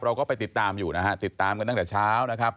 เราก็ไปติดตามอยู่นะฮะติดตามกันตั้งแต่เช้านะครับ